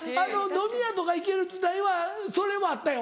飲み屋とか行ける時代はそれもあったよ。